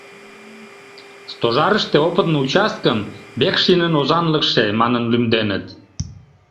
Стожарыште опытный участкым «Векшинын озанлыкше» манын лӱмденыт.